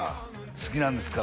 「好きなんですから」